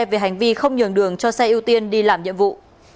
về hành vi không nhường đường cho xe ưu tiên đi làm nhiệm vụ